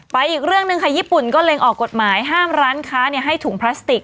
อีกเรื่องหนึ่งค่ะญี่ปุ่นก็เล็งออกกฎหมายห้ามร้านค้าให้ถุงพลาสติก